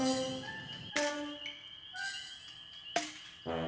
aku juga nggak tau